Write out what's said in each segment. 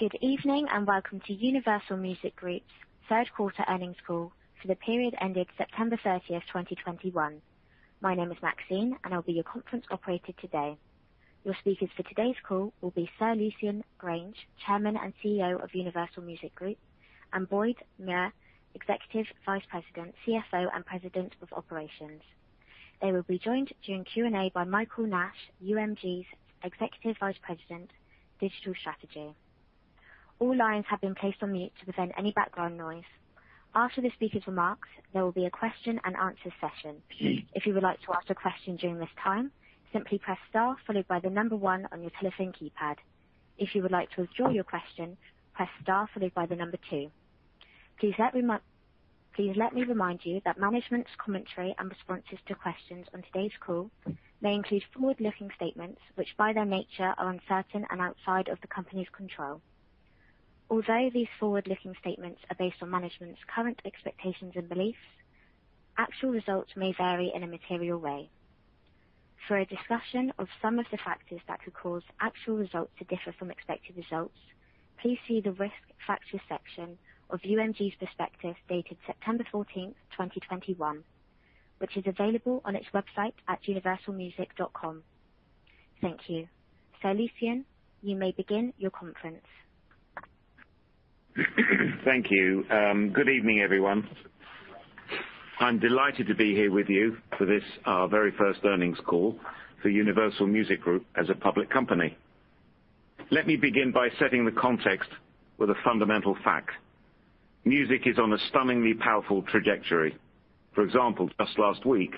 Good evening and welcome to Universal Music Group's Q3 earnings call for the period ending September 30th, 2021. My name is Maxine, and I'll be your conference operator today. Your speakers for today's call will be Sir Lucian Grainge, Chairman and CEO of Universal Music Group, and Boyd Muir, Executive Vice President, CFO, and President of Operations. They will be joined during Q&A by Michael Nash, UMG's Executive Vice President, Digital Strategy. All lines have been placed on mute to prevent any background noise. After the speakers' remarks, there will be a question-and-answer session. If you would like to ask a question during this time, simply press star followed by the number one on your telephone keypad. If you would like to withdraw your question, press star followed by the number two. Please let me remind you that management's commentary and responses to questions on today's call may include forward-looking statements, which by their nature, are uncertain and outside of the company's control. Although these forward-looking statements are based on management's current expectations and beliefs, actual results may vary in a material way. For a discussion of some of the factors that could cause actual results to differ from expected results, please see the Risk Factors section of UMG's prospectus dated September fourteenth, 2021, which is available on its website at universalmusic.com. Thank you. Sir Lucian, you may begin your conference. Thank you. Good evening, everyone. I'm delighted to be here with you for this, our very first earnings call for Universal Music Group as a public company. Let me begin by setting the context with a fundamental fact. Music is on a stunningly powerful trajectory. For example, just last week,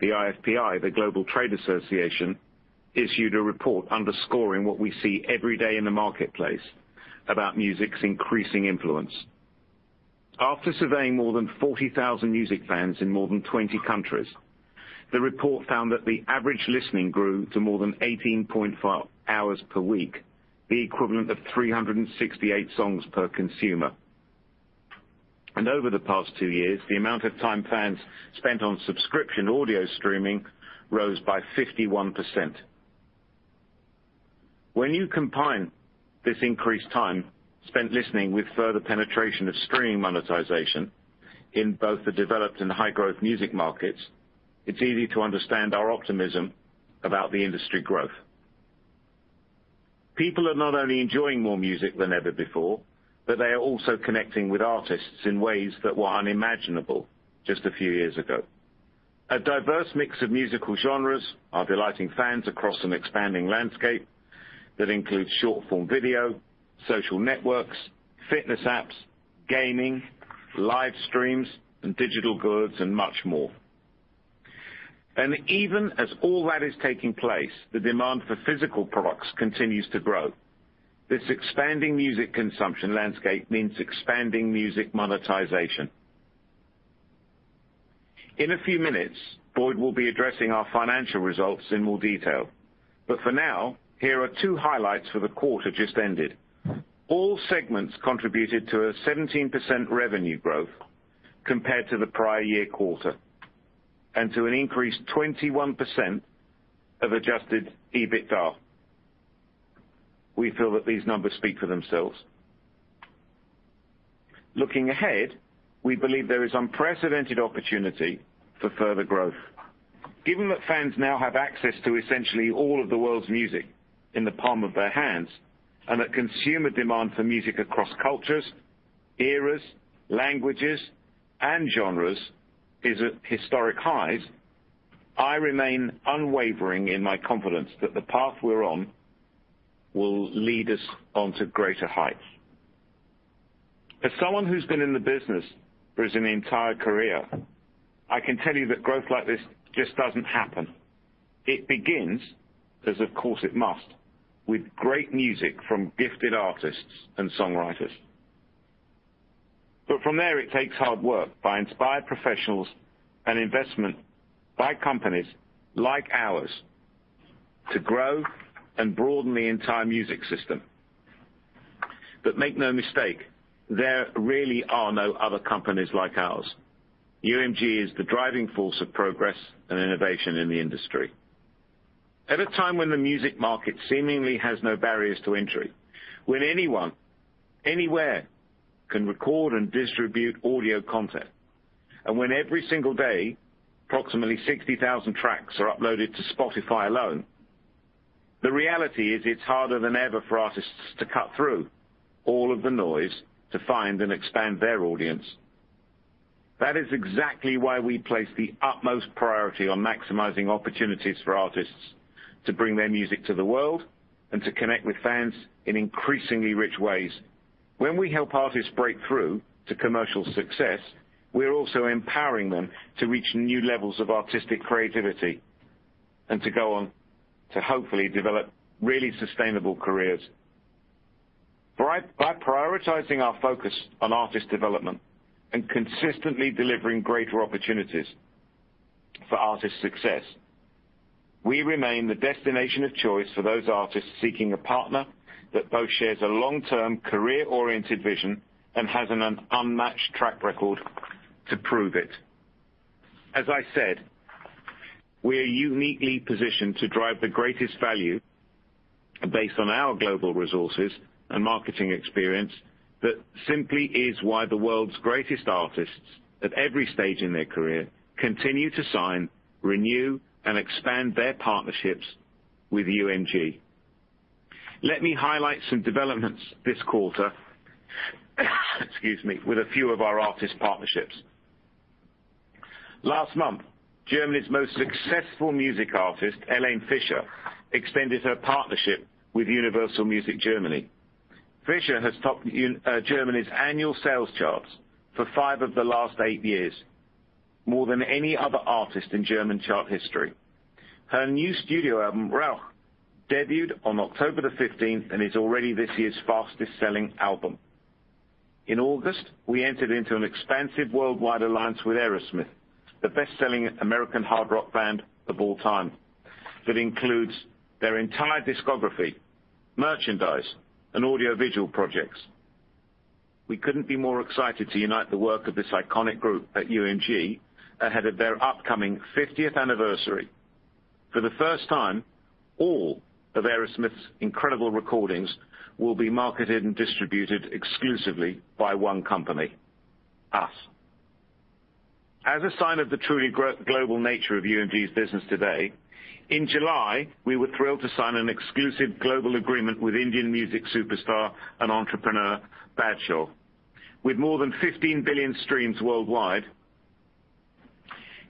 the IFPI, the global trade association, issued a report underscoring what we see every day in the marketplace about music's increasing influence. After surveying more than 40,000 music fans in more than 20 countries, the report found that the average listening grew to more than 18.5 hours per week, the equivalent of 368 songs per consumer. Over the past two years, the amount of time fans spent on subscription audio streaming rose by 51%. When you combine this increased time spent listening with further penetration of streaming monetization in both the developed and high-growth music markets, it's easy to understand our optimism about the industry growth. People are not only enjoying more music than ever before, but they are also connecting with artists in ways that were unimaginable just a few years ago. A diverse mix of musical genres are delighting fans across an expanding landscape that includes short-form video, social networks, fitness apps, gaming, live streams, and digital goods, and much more. Even as all that is taking place, the demand for physical products continues to grow. This expanding music consumption landscape means expanding music monetization. In a few minutes, Boyd will be addressing our financial results in more detail. For now, here are two highlights for the quarter just ended. All segments contributed to a 17% revenue growth compared to the prior year quarter, and to an increased 21% of Adjusted EBITDA. We feel that these numbers speak for themselves. Looking ahead, we believe there is unprecedented opportunity for further growth. Given that fans now have access to essentially all of the world's music in the palm of their hands, and that consumer demand for music across cultures, eras, languages, and genres is at historic highs, I remain unwavering in my confidence that the path we're on will lead us onto greater heights. As someone who's been in the business for an entire career, I can tell you that growth like this just doesn't happen. It begins, as of course it must, with great music from gifted artists and songwriters. From there, it takes hard work by inspired professionals and investment by companies like ours to grow and broaden the entire music system. Make no mistake, there really are no other companies like ours. UMG is the driving force of progress and innovation in the industry. At a time when the music market seemingly has no barriers to entry, when anyone, anywhere can record and distribute audio content, and when every single day, approximately 60,000 tracks are uploaded to Spotify alone, the reality is it's harder than ever for artists to cut through all of the noise to find and expand their audience. That is exactly why we place the utmost priority on maximizing opportunities for artists to bring their music to the world and to connect with fans in increasingly rich ways. When we help artists break through to commercial success, we're also empowering them to reach new levels of artistic creativity and to go on to hopefully develop really sustainable careers. By prioritizing our focus on artist development and consistently delivering greater opportunities for artists' success, we remain the destination of choice for those artists seeking a partner that both shares a long-term career-oriented vision and has an unmatched track record to prove it. As I said, we are uniquely positioned to drive the greatest value based on our global resources and marketing experience. That simply is why the world's greatest artists at every stage in their career continue to sign, renew, and expand their partnerships with UMG. Let me highlight some developments this quarter, excuse me, with a few of our artist partnerships. Last month, Germany's most successful music artist, Helene Fischer, extended her partnership with Universal Music Germany. Fischer has topped Germany's annual sales charts for five of the last eight years, more than any other artist in German chart history. Her new studio album, Rausch, debuted on October the 15th, and is already this year's fastest-selling album. In August, we entered into an expansive worldwide alliance with Aerosmith, the best-selling American hard rock band of all time, that includes their entire discography, merchandise, and audiovisual projects. We couldn't be more excited to unite the work of this iconic group at UMG ahead of their upcoming 50th anniversary. For the first time, all of Aerosmith's incredible recordings will be marketed and distributed exclusively by one company, us. As a sign of the truly global nature of UMG's business today, in July, we were thrilled to sign an exclusive global agreement with Indian music superstar and entrepreneur, Badshah. With more than 15 billion streams worldwide,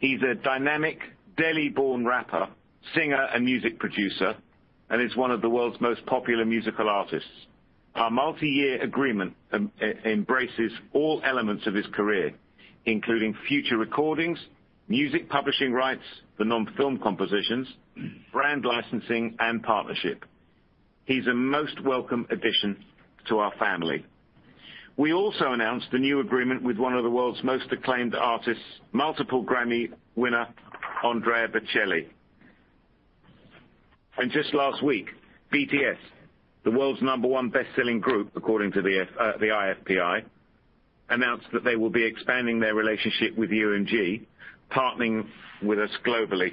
he's a dynamic Delhi-born rapper, singer, and music producer, and is one of the world's most popular musical artists. Our multi-year agreement embraces all elements of his career, including future recordings, music publishing rights for non-film compositions, brand licensing, and partnership. He's a most welcome addition to our family. We also announced a new agreement with one of the world's most acclaimed artists, multiple Grammy winner, Andrea Bocelli. Just last week, BTS, the world's number one best-selling group, according to the IFPI, announced that they will be expanding their relationship with UMG, partnering with us globally,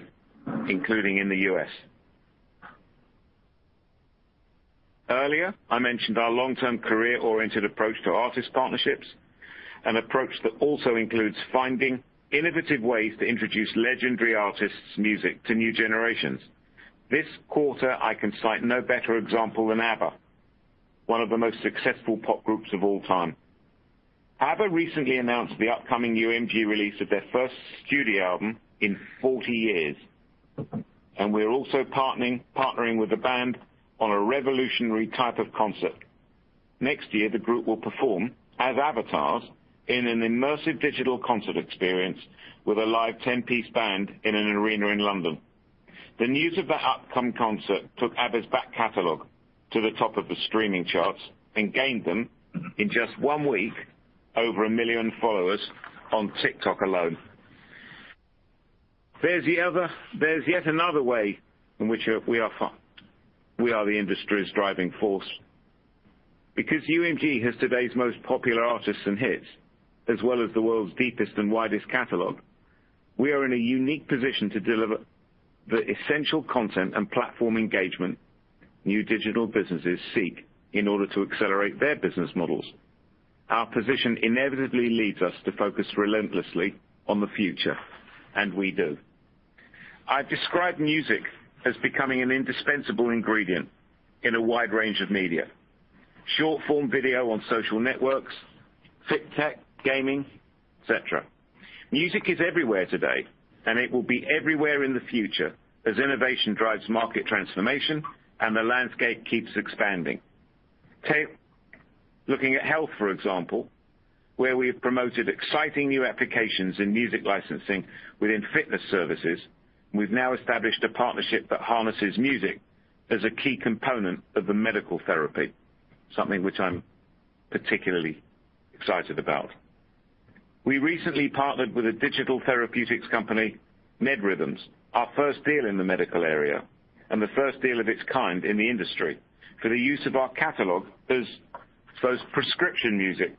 including in the US. Earlier, I mentioned our long-term career-oriented approach to artist partnerships, an approach that also includes finding innovative ways to introduce legendary artists' music to new generations. This quarter, I can cite no better example than ABBA, one of the most successful pop groups of all time. ABBA recently announced the upcoming UMG release of their first studio album in 40 years, and we're also partnering with the band on a revolutionary type of concert. Next year, the group will perform as avatars in an immersive digital concert experience with a live 10-piece band in an arena in London. The news of the upcoming concert took ABBA's back catalog to the top of the streaming charts and gained them, in just one week, over a million followers on TikTok alone. There's yet another way in which we are the industry's driving force. Because UMG has today's most popular artists and hits, as well as the world's deepest and widest catalog, we are in a unique position to deliver the essential content and platform engagement new digital businesses seek in order to accelerate their business models. Our position inevitably leads us to focus relentlessly on the future, and we do. I've described music as becoming an indispensable ingredient in a wide range of media, short-form video on social networks, fit tech, gaming, et cetera. Music is everywhere today, and it will be everywhere in the future as innovation drives market transformation and the landscape keeps expanding. Take looking at health, for example, where we have promoted exciting new applications in music licensing within fitness services. We've now established a partnership that harnesses music as a key component of the medical therapy, something which I'm particularly excited about. We recently partnered with a digital therapeutics company, MedRhythms, our first deal in the medical area, and the first deal of its kind in the industry, for the use of our catalog as those prescription music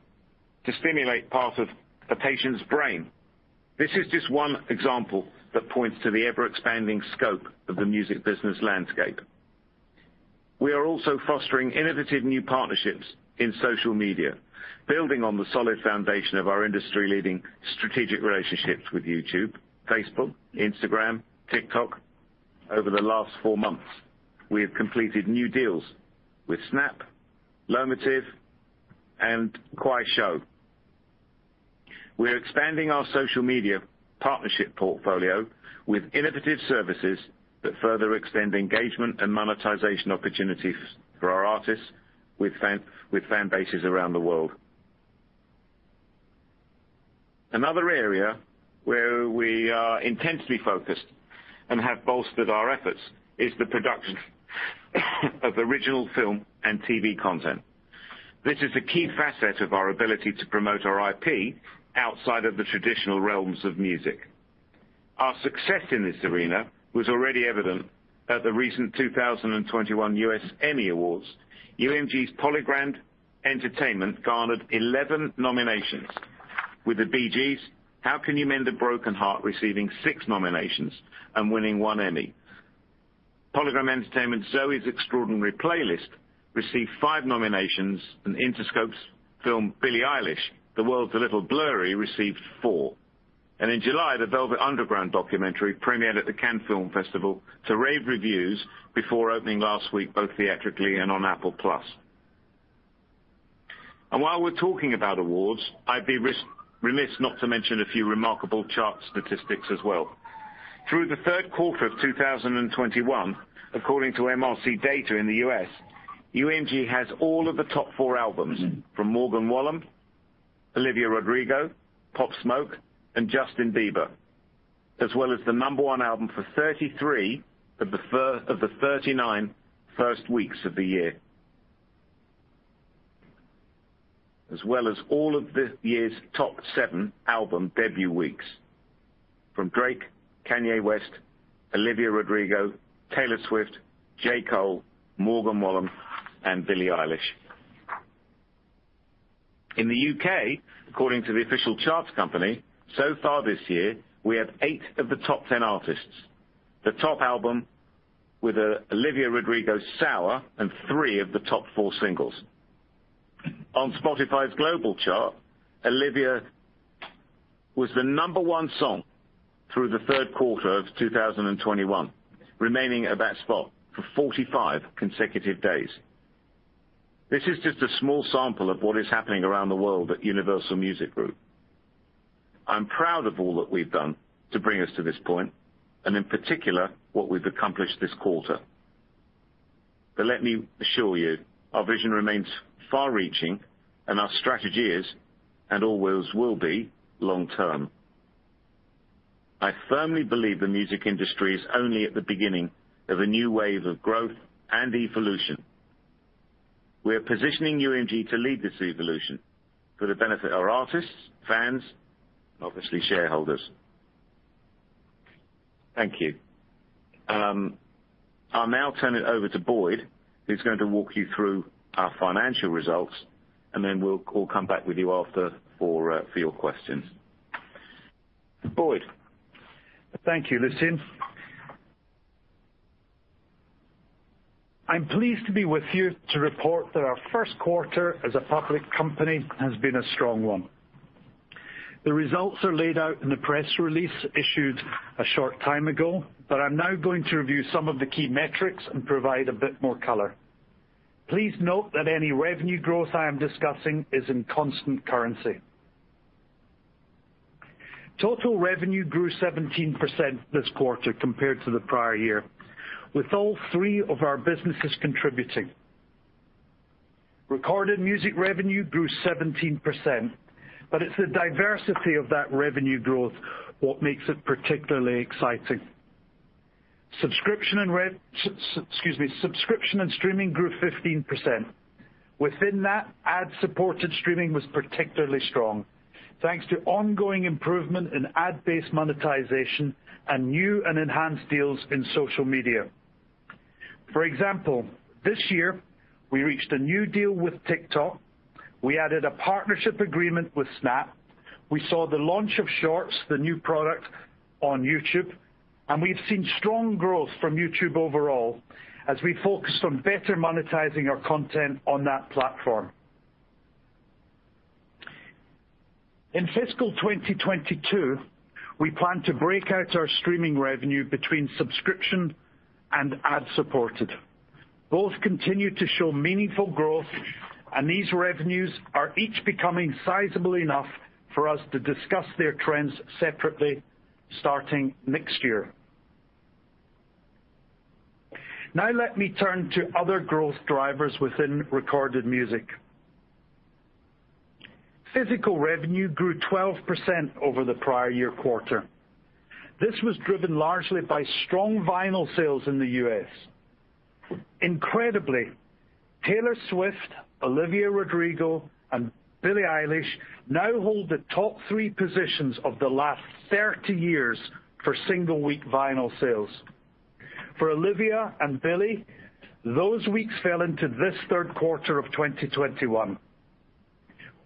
to stimulate part of a patient's brain. This is just one example that points to the ever-expanding scope of the music business landscape. We are also fostering innovative new partnerships in social media, building on the solid foundation of our industry-leading strategic relationships with YouTube, Facebook, Instagram, TikTok. Over the last four months, we have completed new deals with Snap, Lomotif, and Kuaishou. We are expanding our social media partnership portfolio with innovative services that further extend engagement and monetization opportunities for our artists with fan bases around the world. Another area where we are intensely focused and have bolstered our efforts is the production of original film and TV content. This is a key facet of our ability to promote our IP outside of the traditional realms of music. Our success in this arena was already evident at the recent 2021 U.S. Emmy Awards. UMG's Polygram Entertainment garnered 11 nominations. With The Bee Gees: How Can You Mend a Broken Heart receiving six nominations and winning one Emmy. Polygram Entertainment's Zoey's Extraordinary Playlist received five nominations, and Interscope's film, Billie Eilish: The World's a Little Blurry, received four. In July, The Velvet Underground documentary premiered at the Cannes Film Festival to rave reviews before opening last week, both theatrically and on Apple+. While we're talking about awards, I'd be remiss not to mention a few remarkable chart statistics as well. Through the Q3 of 2021, according to MRC Data in the U.S., UMG has all of the top four albums from Morgan Wallen, Olivia Rodrigo, Pop Smoke, and Justin Bieber, as well as the number one album for 33 of the first 39 weeks of the year. All of the year's top seven album debut weeks, from Drake, Kanye West, Olivia Rodrigo, Taylor Swift, J. Cole, Morgan Wallen, and Billie Eilish. In the U.K., according to the Official Charts Company, so far this year, we have eight of the top 10 artists, the top album with Olivia Rodrigo, Sour, and three of the top four singles. On Spotify's global chart, Olivia was the number one song through the Q3 of 2021, remaining at that spot for 45 consecutive days. This is just a small sample of what is happening around the world at Universal Music Group. I'm proud of all that we've done to bring us to this point, and in particular, what we've accomplished this quarter. Let me assure you, our vision remains far-reaching and our strategy is, and always will be, long-term. I firmly believe the music industry is only at the beginning of a new wave of growth and evolution. We are positioning UMG to lead this evolution for the benefit of our artists, fans, obviously shareholders. Thank you. I'll now turn it over to Boyd, who's going to walk you through our financial results, and then we'll all come back with you after for your questions. Boyd. Thank you, Lucian. I'm pleased to be with you to report that our Q1 as a public company has been a strong one. The results are laid out in the press release issued a short time ago, but I'm now going to review some of the key metrics and provide a bit more color. Please note that any revenue growth I am discussing is in constant currency. Total revenue grew 17% this quarter compared to the prior year, with all three of our businesses contributing. Recorded music revenue grew 17%, but it's the diversity of that revenue growth what makes it particularly exciting. Subscription and streaming grew 15%. Within that, ad-supported streaming was particularly strong, thanks to ongoing improvement in ad-based monetization and new and enhanced deals in social media. For example, this year, we reached a new deal with TikTok. We added a partnership agreement with Snap. We saw the launch of Shorts, the new product on YouTube. We've seen strong growth from YouTube overall as we focused on better monetizing our content on that platform. In fiscal 2022, we plan to break out our streaming revenue between subscription and ad-supported. Both continue to show meaningful growth, and these revenues are each becoming sizable enough for us to discuss their trends separately starting next year. Now let me turn to other growth drivers within recorded music. Physical revenue grew 12% over the prior year quarter. This was driven largely by strong vinyl sales in the U.S. Incredibly, Taylor Swift, Olivia Rodrigo, and Billie Eilish now hold the top three positions of the last 30 years for single-week vinyl sales. For Olivia and Billie, those weeks fell into this Q3 of 2021.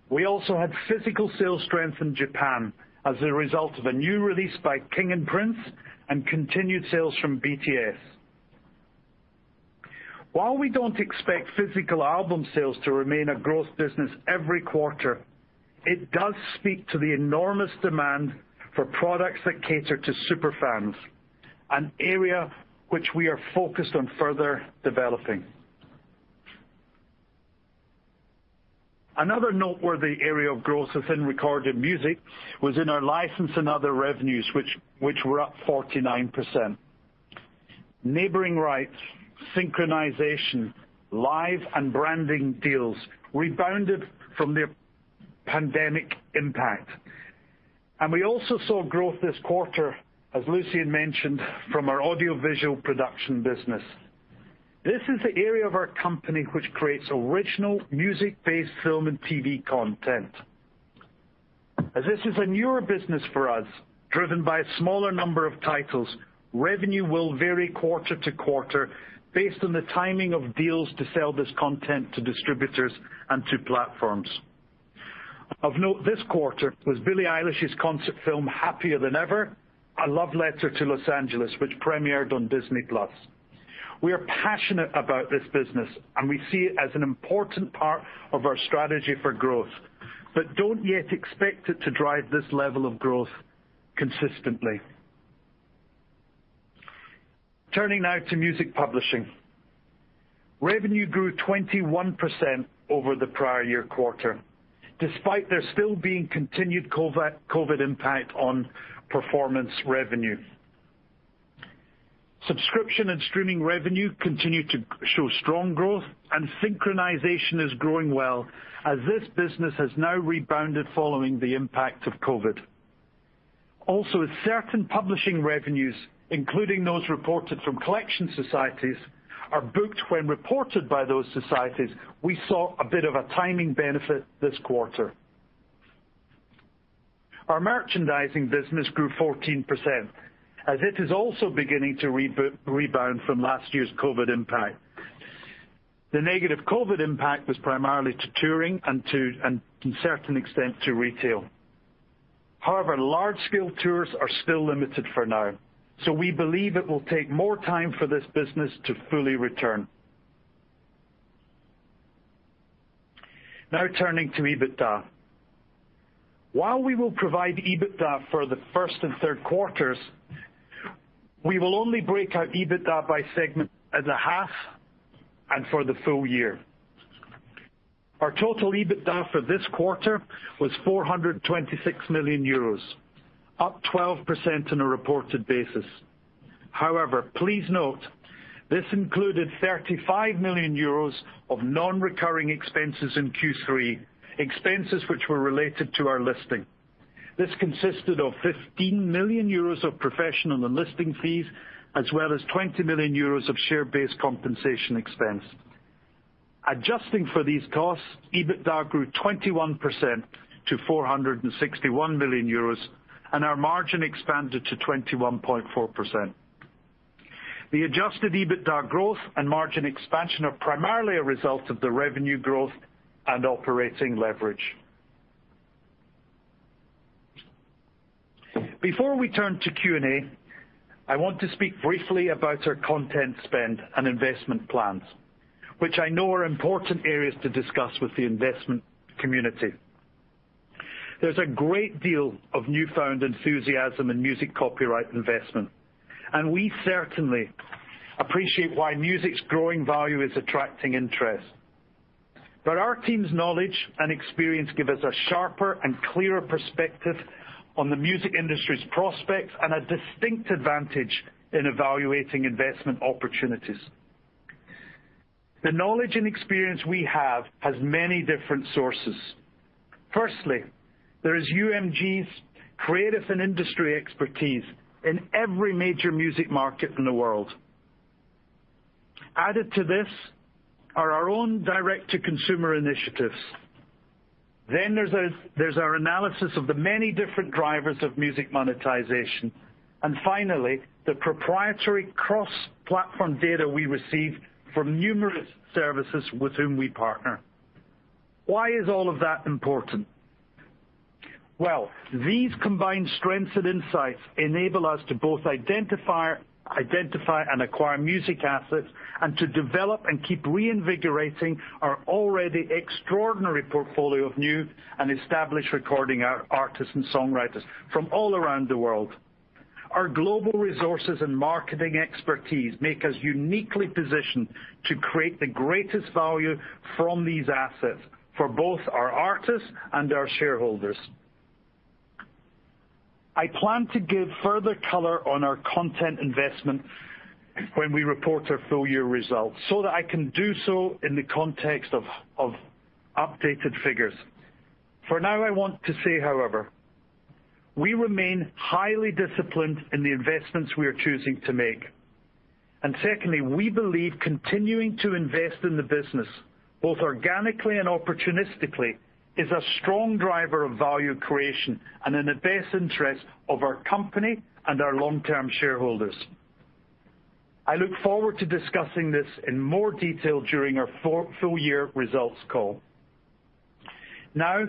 We also had physical sales strength in Japan as a result of a new release by King and Prince and continued sales from BTS. While we don't expect physical album sales to remain a growth business every quarter, it does speak to the enormous demand for products that cater to super fans, an area which we are focused on further developing. Another noteworthy area of growth within recorded music was in our license and other revenues, which were up 49%. Neighboring rights, synchronization, live, and branding deals rebounded from their pandemic impact. We also saw growth this quarter, as Lucian mentioned, from our audiovisual production business. This is the area of our company which creates original music-based film and TV content. As this is a newer business for us, driven by a smaller number of titles, revenue will vary quarter-to-quarter based on the timing of deals to sell this content to distributors and to platforms. Of note this quarter was Billie Eilish's concert film, Happier Than Ever: A Love Letter to Los Angeles, which premiered on Disney+. We are passionate about this business and we see it as an important part of our strategy for growth. Don't yet expect it to drive this level of growth consistently. Turning now to music publishing. Revenue grew 21% over the prior-year quarter, despite there still being continued COVID impact on performance revenue. Subscription and streaming revenue continued to show strong growth, and synchronization is growing well as this business has now rebounded following the impact of COVID. Also, certain publishing revenues, including those reported from Collection Societies, are booked when reported by those societies. We saw a bit of a timing benefit this quarter. Our merchandising business grew 14% as it is also beginning to rebound from last year's COVID impact. The negative COVID impact was primarily to touring and to a certain extent to retail. However, large-scale tours are still limited for now, so we believe it will take more time for this business to fully return. Now, turning to EBITDA. While we will provide EBITDA for the first and Q3s, we will only break out EBITDA by segment at the half and for the full year. Our total EBITDA for this quarter was 426 million euros, up 12% on a reported basis. However, please note this included 35 million euros of non-recurring expenses in Q3, expenses which were related to our listing. This consisted of 15 million euros of professional and listing fees, as well as 20 million euros of share-based compensation expense. Adjusting for these costs, EBITDA grew 21% to 461 million euros, and our margin expanded to 21.4%. The adjusted EBITDA growth and margin expansion are primarily a result of the revenue growth and operating leverage. Before we turn to Q&A, I want to speak briefly about our content spend and investment plans, which I know are important areas to discuss with the investment community. There's a great deal of newfound enthusiasm in music copyright investment, and we certainly appreciate why music's growing value is attracting interest. Our team's knowledge and experience give us a sharper and clearer perspective on the music industry's prospects and a distinct advantage in evaluating investment opportunities. The knowledge and experience we have has many different sources. Firstly, there is UMG's creative and industry expertise in every major music market in the world. Added to this are our own direct-to-consumer initiatives. Then there's our analysis of the many different drivers of music monetization. Finally, the proprietary cross-platform data we receive from numerous services with whom we partner. Why is all of that important? Well, these combined strengths and insights enable us to both identify and acquire music assets and to develop and keep reinvigorating our already extraordinary portfolio of new and established recording artists and songwriters from all around the world. Our global resources and marketing expertise make us uniquely positioned to create the greatest value from these assets for both our artists and our shareholders. I plan to give further color on our content investment when we report our full-year results so that I can do so in the context of updated figures. For now, I want to say, however, we remain highly disciplined in the investments we are choosing to make. Secondly, we believe continuing to invest in the business, both organically and opportunistically, is a strong driver of value creation and in the best interest of our company and our long-term shareholders. I look forward to discussing this in more detail during our full-year results call. Now,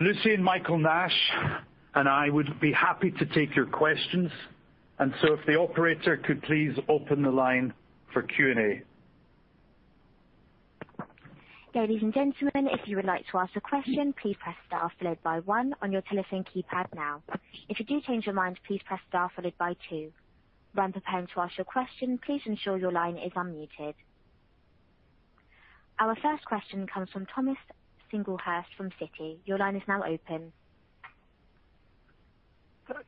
Lucy and Michael Nash and I would be happy to take your questions. If the operator could please open the line for Q&A. Our first question comes from Thomas Singlehurst from Citi. Your line is now open.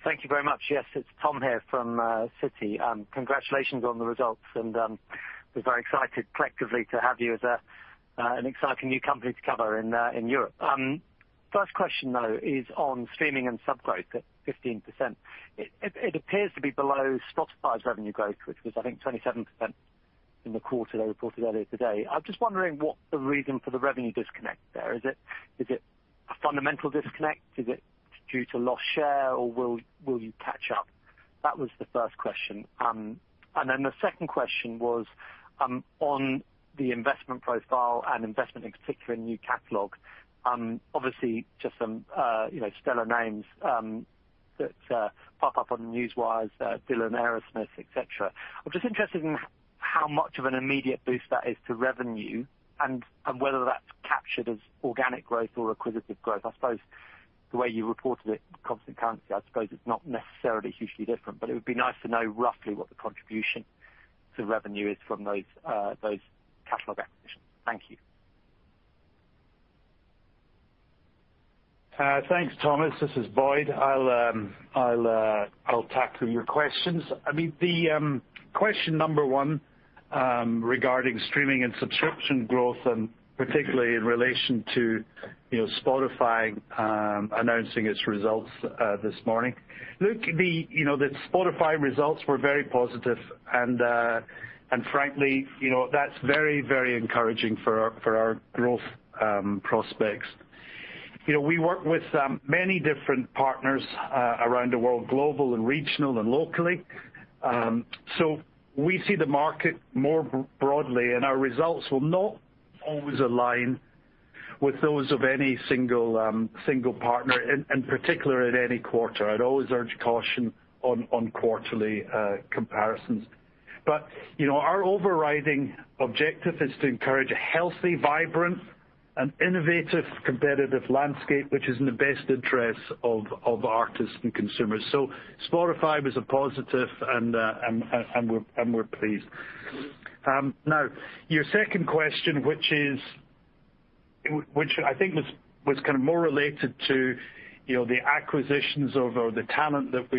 Thank you very much. Yes, it's Thomas Singlehurst here from Citi. Congratulations on the results, and we're very excited collectively to have you as an exciting new company to cover in Europe. First question, though, is on streaming and sub growth at 15%. It appears to be below Spotify's revenue growth, which was I think 27% in the quarter they reported earlier today. I'm just wondering what the reason for the revenue disconnect there. Is it a fundamental disconnect? Is it due to lost share, or will you catch up? That was the first question. Then the second question was on the investment profile and investment in particular in new catalog, obviously just some you know stellar names that pop up on the newswire, Bob Dylan, Aerosmith, et cetera. I'm just interested in how much of an immediate boost that is to revenue and whether that's captured as organic growth or acquisitive growth. I suppose the way you reported it, constant currency, I suppose it's not necessarily hugely different, but it would be nice to know roughly what the contribution to revenue is from those catalog acquisitions. Thank you. Thanks, Thomas. This is Boyd. I'll tackle your questions. I mean, the question number one regarding streaming and subscription growth, and particularly in relation to, you know, Spotify announcing its results this morning. Look, you know, the Spotify results were very positive and frankly, you know, that's very encouraging for our growth prospects. You know, we work with many different partners around the world, global and regional and locally. So we see the market more broadly, and our results will not always align with those of any single partner in particular at any quarter. I'd always urge caution on quarterly comparisons. You know, our overriding objective is to encourage a healthy, vibrant and innovative competitive landscape which is in the best interest of artists and consumers. Spotify was a positive and we're pleased. Now your second question, which I think was kind of more related to, you know, the acquisitions of the talent that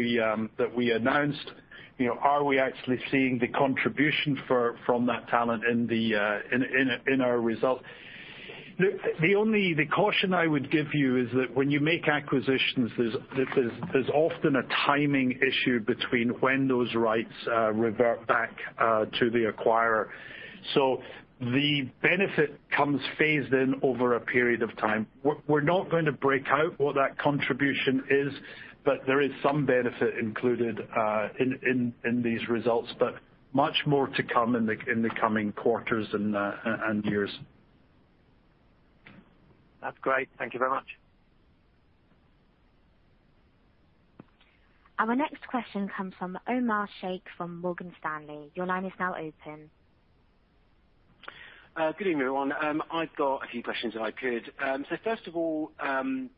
we announced. You know, are we actually seeing the contribution from that talent in our results? Look, the only caution I would give you is that when you make acquisitions, there's often a timing issue between when those rights revert back to the acquirer. The benefit comes phased in over a period of time. We're not going to break out what that contribution is, but there is some benefit included in these results, but much more to come in the coming quarters and years. That's great. Thank you very much. Our next question comes from Omar Sheikh from Morgan Stanley. Your line is now open. Good evening, everyone. I've got a few questions if I could. First of all,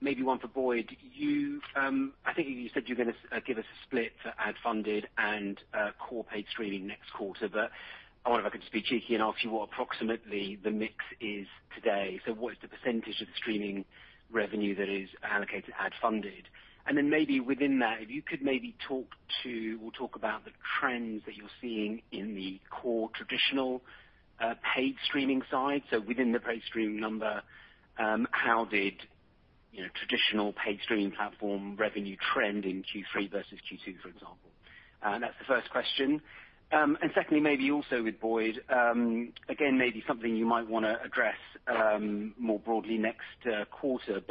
maybe one for Boyd. You, I think you said you're gonna give us a split for ad funded and core paid streaming next quarter. I wonder if I could just be cheeky and ask you what approximately the mix is today. What is the percentage of the streaming revenue that is allocated ad funded? And then maybe within that, if you could maybe talk to or talk about the trends that you're seeing in the core traditional paid streaming side. Within the paid streaming number, how did, you know, traditional paid streaming platform revenue trend in Q3 versus Q2, for example? That's the first question. Secondly, maybe also with Boyd, again, maybe something you might wanna address more broadly next quarter.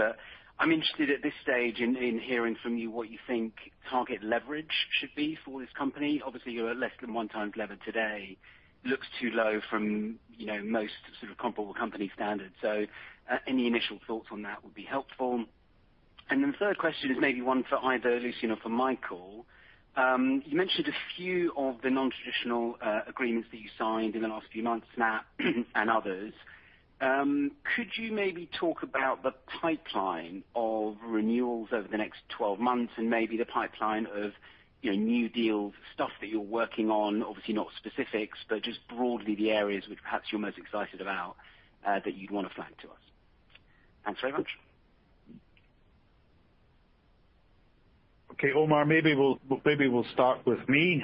I'm interested at this stage in hearing from you what you think target leverage should be for this company. Obviously, you're at less than 1 times leverage today. Looks too low from, you know, most sort of comparable company standards. Any initial thoughts on that would be helpful. Then the third question is maybe one for either Lucian or for Michael. You mentioned a few of the non-traditional agreements that you signed in the last few months now and others. Could you maybe talk about the pipeline of renewals over the next 12 months and maybe the pipeline of, you know, new deals, stuff that you're working on? Obviously not specifics, but just broadly the areas which perhaps you're most excited about, that you'd wanna flag to us. Thanks so much. Okay, Omar, maybe we'll start with me.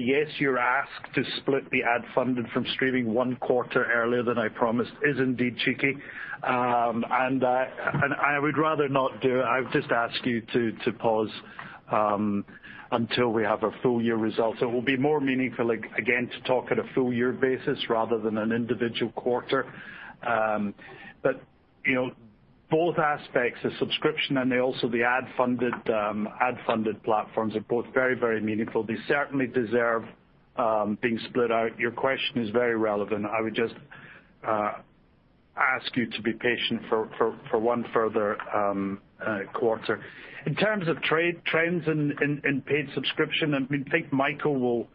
Yes, your ask to split the ad funded from streaming one quarter earlier than I promised is indeed cheeky. I would rather not do it. I would just ask you to pause until we have our full year results. It will be more meaningful, again, to talk at a full year basis rather than an individual quarter. You know, both aspects, the subscription and also the ad funded platforms are both very, very meaningful. They certainly deserve being split out. Your question is very relevant. I would just ask you to be patient for one further quarter. In terms of trends in paid subscription, I mean, I think Michael will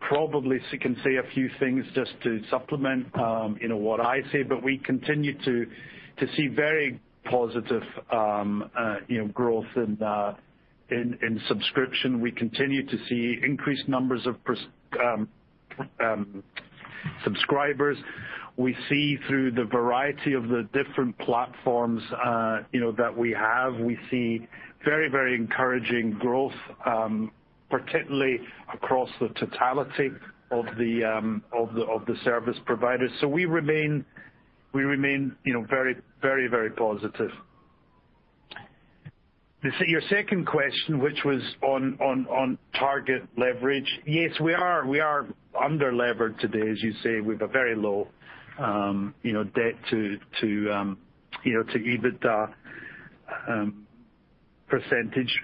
probably can say a few things just to supplement you know, what I say, but we continue to see very positive growth in subscription. We continue to see increased numbers of subscribers. We see through the variety of the different platforms that we have, we see very encouraging growth, particularly across the totality of the service providers. We remain very positive. Your second question, which was on target leverage. Yes, we are underlevered today, as you say, with a very low you know, debt to EBITDA percentage.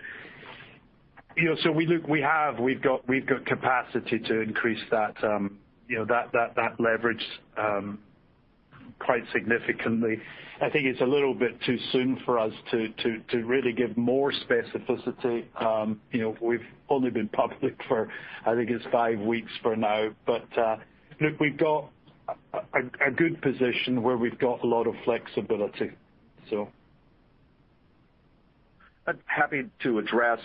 You know, we've got capacity to increase that, you know, that leverage quite significantly. I think it's a little bit too soon for us to really give more specificity. You know, we've only been public for I think it's five weeks for now. Look, we've got a good position where we've got a lot of flexibility. Happy to address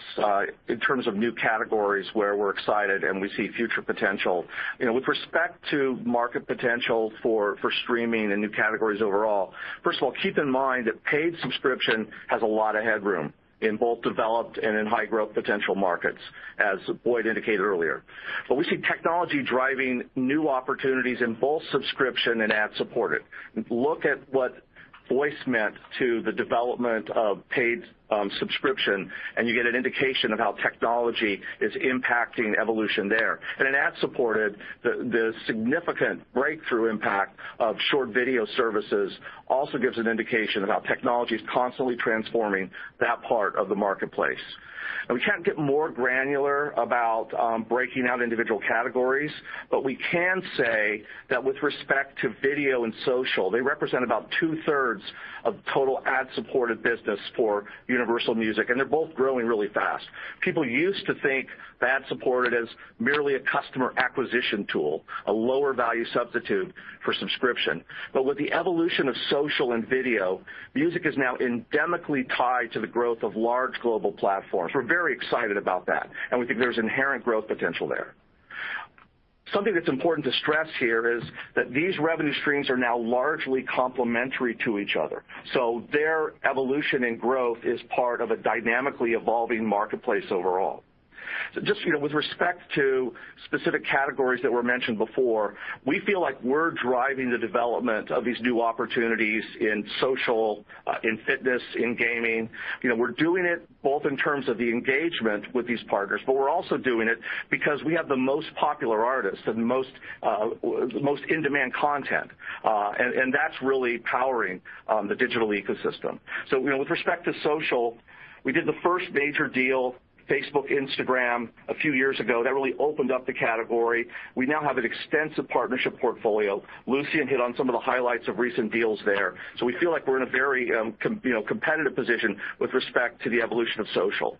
in terms of new categories where we're excited and we see future potential. You know, with respect to market potential for streaming and new categories overall, first of all, keep in mind that paid subscription has a lot of headroom in both developed and in high growth potential markets, as Boyd indicated earlier. We see technology driving new opportunities in both subscription and ad-supported. Look at what voice meant to the development of paid subscription, and you get an indication of how technology is impacting evolution there. In ad-supported, the significant breakthrough impact of short video services also gives an indication of how technology is constantly transforming that part of the marketplace. We can't get more granular about breaking out individual categories, but we can say that with respect to video and social, they represent about two-thirds of total ad-supported business for Universal Music, and they're both growing really fast. People used to think ad-supported as merely a customer acquisition tool, a lower value substitute for subscription. With the evolution of social and video, music is now endemically tied to the growth of large global platforms. We're very excited about that, and we think there's inherent growth potential there. Something that's important to stress here is that these revenue streams are now largely complementary to each other, so their evolution and growth is part of a dynamically evolving marketplace overall. Just, you know, with respect to specific categories that were mentioned before, we feel like we're driving the development of these new opportunities in social, in fitness, in gaming. You know, we're doing it both in terms of the engagement with these partners, but we're also doing it because we have the most popular artists and most in-demand content. That's really powering the digital ecosystem. You know, with respect to social, we did the first major deal, Facebook, Instagram, a few years ago. That really opened up the category. We now have an extensive partnership portfolio. Lucian hit on some of the highlights of recent deals there. We feel like we're in a very, you know, competitive position with respect to the evolution of social.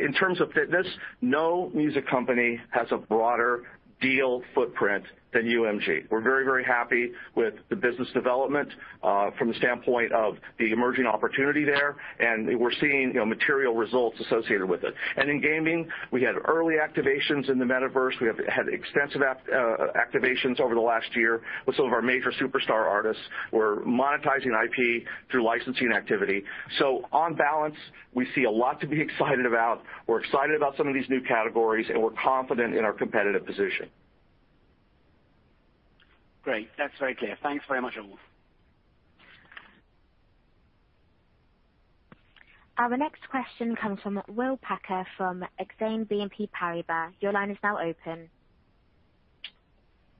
In terms of fitness, no music company has a broader deal footprint than UMG. We're very, very happy with the business development from the standpoint of the emerging opportunity there, and we're seeing, you know, material results associated with it. In gaming, we had early activations in the metaverse. We have had extensive activations over the last year with some of our major superstar artists. We're monetizing IP through licensing activity. On balance, we see a lot to be excited about. We're excited about some of these new categories, and we're confident in our competitive position. Great. That's very clear. Thanks very much, all. Our next question comes from William Packer from Exane BNP Paribas. Your line is now open.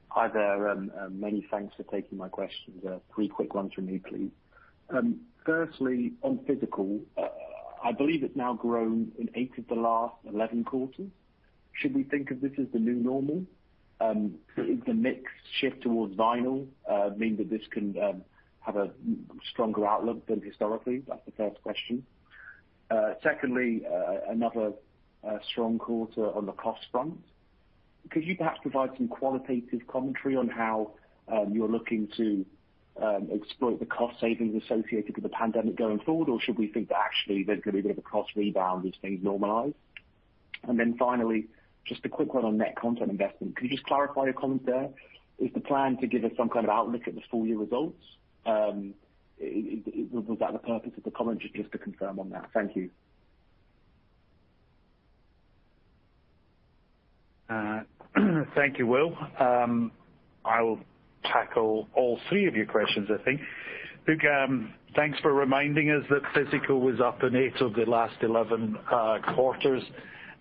Hi there. Many thanks for taking my questions. Three quick ones from me, please. Firstly, on physical, I believe it's now grown in eight of the last 11 quarters. Should we think of this as the new normal? Does the mix shift towards vinyl mean that this can have a stronger outlook than historically? That's the first question. Secondly, another strong quarter on the cost front. Could you perhaps provide some qualitative commentary on how you're looking to exploit the cost savings associated with the pandemic going forward, or should we think that actually there's gonna be a bit of a cost rebound as things normalize? Finally, just a quick one on net content investment. Could you just clarify your comments there? Is the plan to give us some kind of outlook at the full year results? Was that the purpose of the comment? Just to confirm on that. Thank you. Thank you, Will. I'll tackle all three of your questions, I think. Look, thanks for reminding us that physical was up in eight of the last 11 quarters.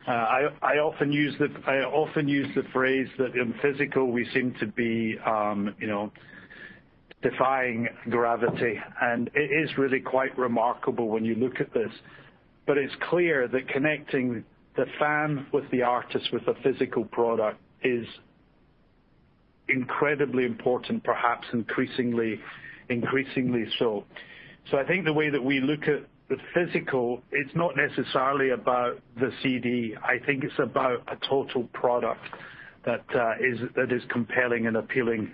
I often use the phrase that in physical we seem to be, you know, defying gravity. It is really quite remarkable when you look at this. It's clear that connecting the fan with the artist with a physical product is incredibly important, perhaps increasingly so. I think the way that we look at the physical, it's not necessarily about the CD. I think it's about a total product that is compelling and appealing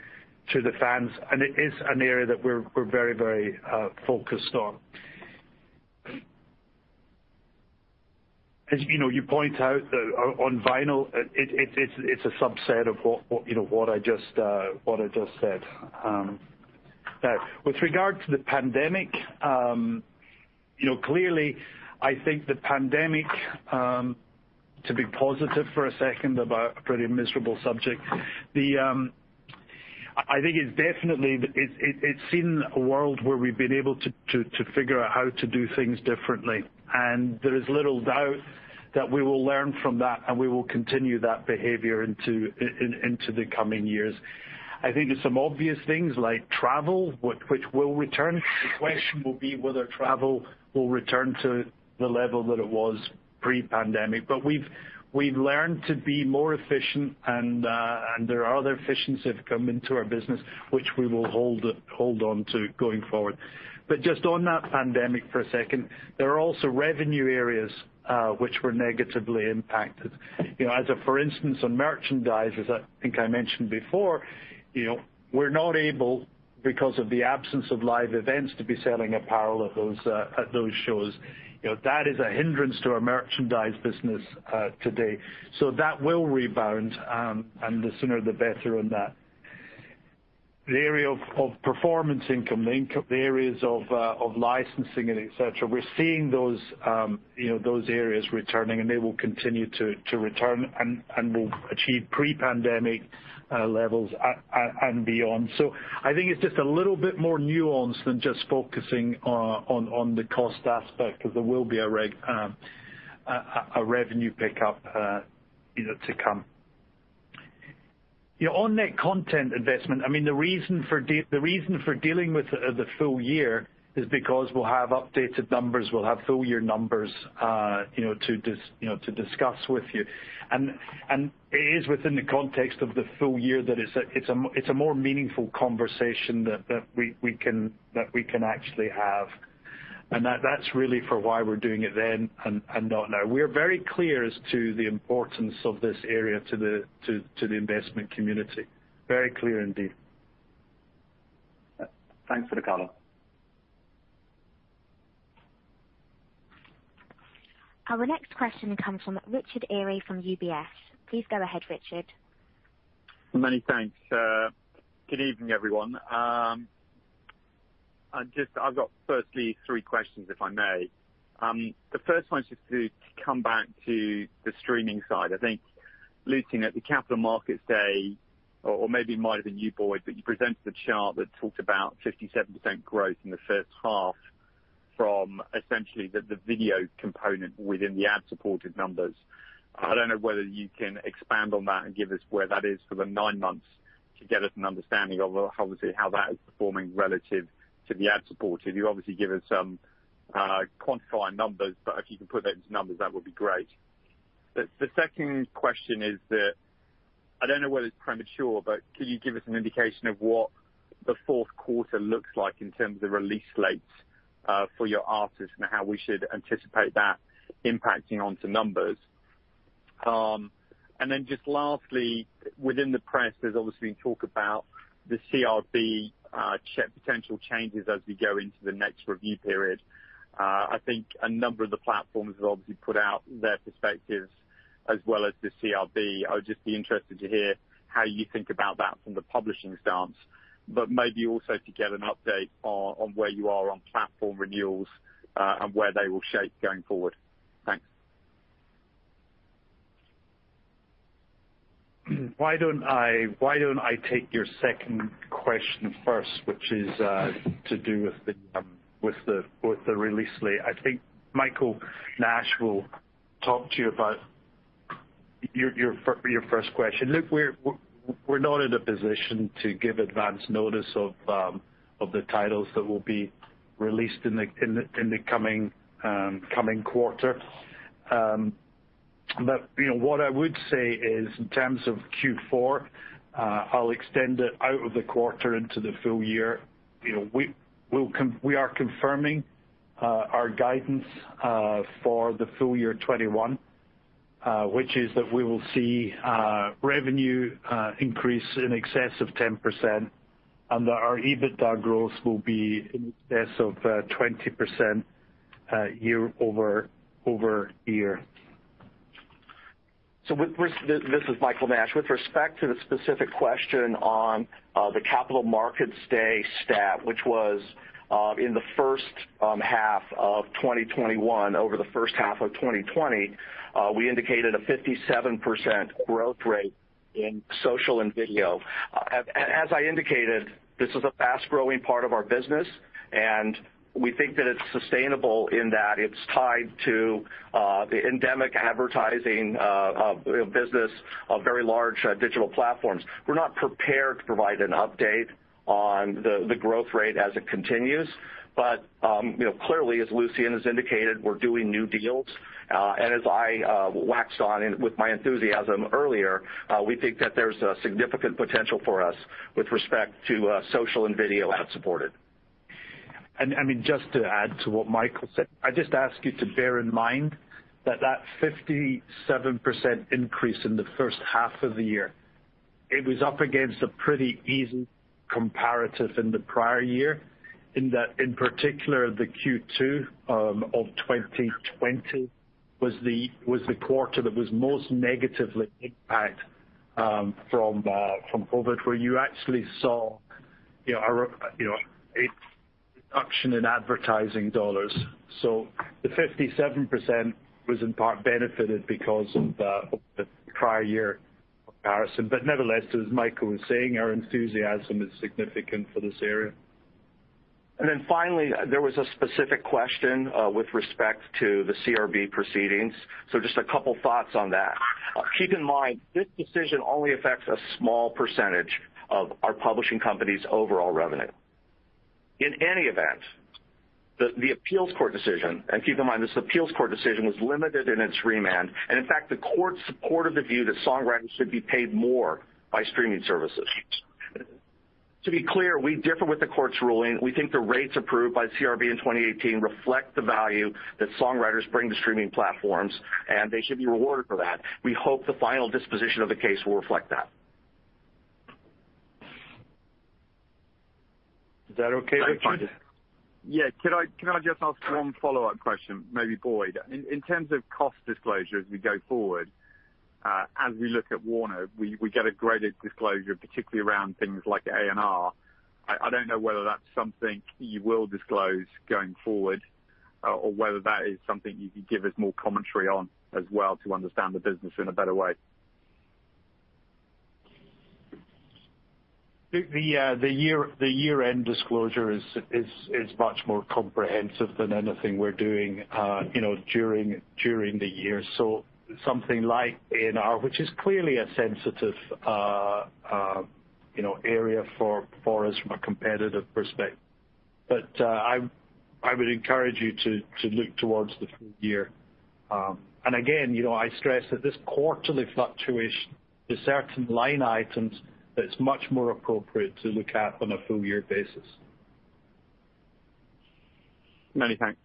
to the fans. It is an area that we're very focused on. As you know, you point out on vinyl, it's a subset of what you know, what I just said. With regard to the pandemic, you know, clearly, I think the pandemic to be positive for a second about a pretty miserable subject. I think it's definitely seen a world where we've been able to figure out how to do things differently. There is little doubt that we will learn from that, and we will continue that behavior into the coming years. I think there's some obvious things like travel, which will return. The question will be whether travel will return to the level that it was pre-pandemic. We've learned to be more efficient and there are other efficiencies that have come into our business which we will hold on to going forward. Just on that pandemic for a second, there are also revenue areas which were negatively impacted. You know, as, for instance, on merchandise, as I think I mentioned before, you know, we're not able, because of the absence of live events, to be selling apparel at those shows. You know, that is a hindrance to our merchandise business today. That will rebound, and the sooner the better on that. The area of performance income, the areas of licensing and et cetera, we're seeing those, you know, those areas returning, and they will continue to return and will achieve pre-pandemic levels and beyond. I think it's just a little bit more nuanced than just focusing on the cost aspect, 'cause there will be a revenue pickup, you know, to come. You know, on net content investment, I mean, the reason for dealing with the full year is because we'll have updated numbers, we'll have full year numbers, you know, to discuss with you. It is within the context of the full year that it's a more meaningful conversation that we can actually have. That's really for why we're doing it then and not now. We're very clear as to the importance of this area to the investment community. Very clear indeed. Thanks for the color. Our next question comes from Richard Eary from UBS. Please go ahead, Richard. Many thanks. Good evening, everyone. I've got firstly three questions, if I may. The first one's just to come back to the streaming side. I think, Lucian, at the Capital Markets Day, or maybe it might have been you, Boyd, but you presented a chart that talked about 57% growth in the first half from essentially the video component within the ad-supported numbers. I don't know whether you can expand on that and give us where that is for the nine months to get us an understanding of obviously how that is performing relative to the ad-supported. You obviously gave us some quantifying numbers, but if you can put that into numbers, that would be great. The second question is that I don't know whether it's premature, but can you give us an indication of what the Q1 looks like in terms of release slates for your artists and how we should anticipate that impacting onto numbers? Just lastly, within the press, there's obviously been talk about the CRB potential changes as we go into the next review period. I think a number of the platforms have obviously put out their perspectives as well as the CRB. I would just be interested to hear how you think about that from the publishing stance, but maybe also to get an update on where you are on platform renewals and where they will shape going forward. Thanks. Why don't I take your second question first, which is to do with the release slate. I think Michael Nash will talk to you about your first question. Look, we're not in a position to give advance notice of the titles that will be released in the coming quarter. But you know, what I would say is in terms of Q4, I'll extend it out of the quarter into the full year. You know, we are confirming our guidance for the full year 2021, which is that we will see revenue increase in excess of 10% and that our EBITDA growth will be in excess of 20%, yea- over-year. This is Michael Nash. With respect to the specific question on the Capital Markets Day stat, which was in the first half of 2021 over the first half of 2020, we indicated a 57% growth rate in social and video. As I indicated, this is a fast-growing part of our business, and we think that it's sustainable in that it's tied to the endemic advertising, you know, business of very large digital platforms. We're not prepared to provide an update on the growth rate as it continues. You know, clearly, as Lucian has indicated, we're doing new deals. As I waxed on with my enthusiasm earlier, we think that there's a significant potential for us with respect to social and video ad-supported. I mean, just to add to what Michael said, I just ask you to bear in mind that 57% increase in the first half of the year. It was up against a pretty easy comparative in the prior year, in that, in particular, the Q2 of 2020 was the quarter that was most negatively impacted from COVID, where you actually saw a reduction in advertising dollars. The 57% was in part benefited because of the prior year comparison. Nevertheless, as Michael was saying, our enthusiasm is significant for this area. Then finally, there was a specific question with respect to the CRB proceedings. Just a couple thoughts on that. Keep in mind, this decision only affects a small percentage of our publishing company's overall revenue. In any event, the appeals court decision, and keep in mind, this appeals court decision was limited in its remand, and in fact, the court supported the view that songwriters should be paid more by streaming services. To be clear, we differ with the court's ruling. We think the rates approved by CRB in 2018 reflect the value that songwriters bring to streaming platforms, and they should be rewarded for that. We hope the final disposition of the case will reflect that. Is that okay, Richard? Yeah. Can I just ask one follow-up question, maybe Boyd Muir. In terms of cost disclosure as we go forward, as we look at Warner, we get a greater disclosure, particularly around things like A&R. I don't know whether that's something you will disclose going forward or whether that is something you could give us more commentary on as well to understand the business in a better way. The year-end disclosure is much more comprehensive than anything we're doing, you know, during the year. Something like A&R, which is clearly a sensitive, you know, area for us from a competitive perspective. I would encourage you to look towards the full year. Again, you know, I stress that this quarterly fluctuation to certain line items that's much more appropriate to look at on a full year basis. Many thanks.